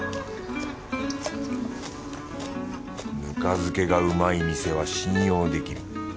ぬか漬けがうまい店は信用できる。